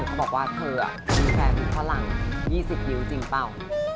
เขาบอกว่าเธอมีแฟนเป็นฝรั่ง๒๐นิ้วจริงเปล่า